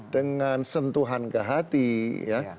dengan sentuhan ke hati ya